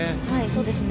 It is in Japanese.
そうですね。